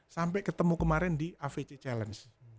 sampai ketemu kemarin di avc challenge